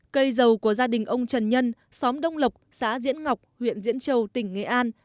cây dầu của gia đình ông trần nhân xóm đông lộc xã diễn ngọc huyện diễn châu tỉnh nghệ an